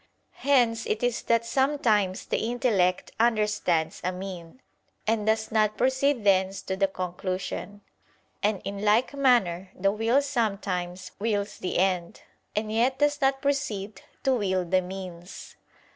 Hence it is that sometimes the intellect understands a mean, and does not proceed thence to the conclusion. And in like manner the will sometimes wills the end, and yet does not proceed to will the means.